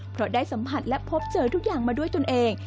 เพราะได้สัมผัสและพบเจอทุกอย่างมาด้วยตนเอง